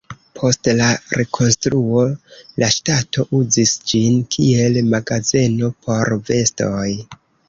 Post la rekonstruo la ŝtato uzis ĝin, kiel magazeno por vestoj.